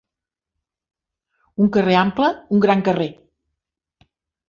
Un carrer ample, un gran carrer.